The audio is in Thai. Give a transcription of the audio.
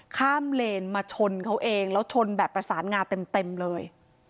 ข้ามเลนมาชนเขาเองแล้วชนแบบประสานงาเต็มเลย